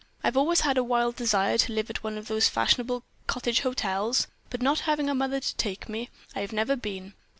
I've always had a wild desire to live at one of those fashionable cottage hotels, but not having a mother to take me, I have never been.